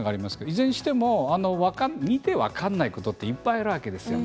いずれにしても見て分からないことっていっぱいあるわけですよ。